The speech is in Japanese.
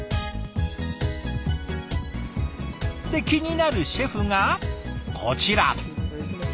で気になるシェフがこちら。